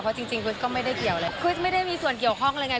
เพราะจริงคริสก็ไม่ได้เกี่ยวเลยคริสไม่ได้มีส่วนเกี่ยวข้องอะไรไง